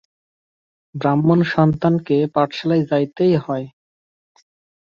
ব্রাহ্মণ সন্তানকে পাঠশালায় যাইতেই হয়।